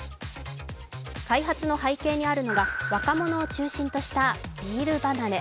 開発の背景にあるのが若者を中心としたビール離れ。